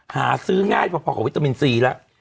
หาซื้อง่ายพอกับวิตามินซีแล้ว